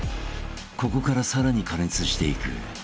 ここからさらに加熱していく］